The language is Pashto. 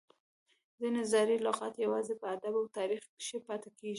ځینې زاړي لغات یوازي په ادب او تاریخ کښي پاته کیږي.